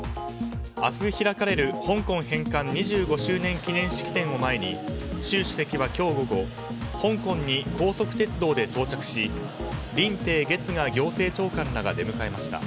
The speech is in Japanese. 明日開かれる、香港返還２５周年記念式典を前に習主席は今日午後香港に高速鉄道で到着しリンテイ・ゲツガ行政長官らが出迎えました。